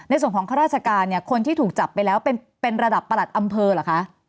ในส่วนของข้าราชการคนที่ถูกจับไปแล้วเป็นระดับประหลัดอำเภอเหรอคะ